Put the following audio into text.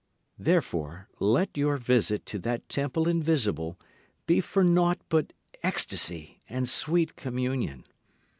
Therefore let your visit to that temple invisible be for naught but ecstasy and sweet communion.